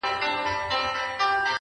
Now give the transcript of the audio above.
اه څه نا پوه وم څه ساده دي کړمه,